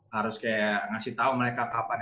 harus kayak ngasih tau mereka kapan